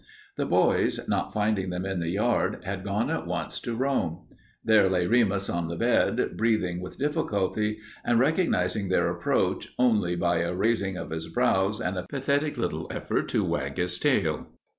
The boys, not finding them in the yard, had gone at once to Rome. There lay Remus on the bed, breathing with difficulty, and recognizing their approach only by a raising of his brows and a pathetic little effort to wag his tail.